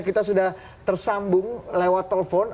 kita sudah tersambung lewat telepon